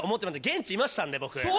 現地にいましたから、僕。